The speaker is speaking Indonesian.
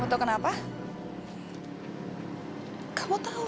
kamu tahu kan perasaan aku sama kamu kayak gimana